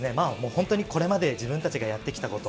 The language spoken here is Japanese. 本当にこれまで自分たちがやってきたこと、